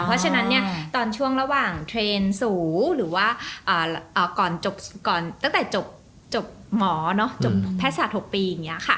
เพราะฉะนั้นตอนช่วงระหว่างเทรนด์สูงหรือว่าตั้งแต่จบหมอจบแพทย์ศาสตร์๖ปี